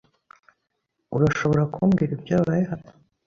Urashobora kumbwira ibyabaye hano?